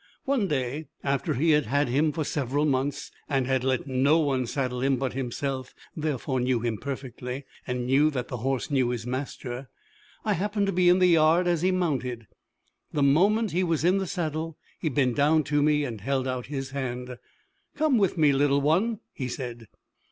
One day, after he had had him for several months, and had let no one saddle him but himself, therefore knew him perfectly, and knew that the horse knew his master, I happened to be in the yard as he mounted. The moment he was in the saddle, he bent down to me, and held out his hand. "Come with me, little one," he said.